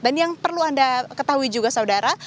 dan yang perlu anda ketahui juga saudara